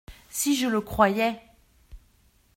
Si je le croyais !